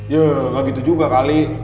ya gak gitu juga kali